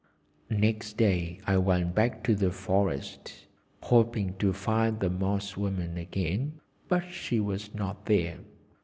Next day I went back to the forest, hoping to find the Moss woman again, but she was not there.